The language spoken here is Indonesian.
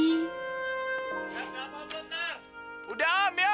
ter berapa pun ter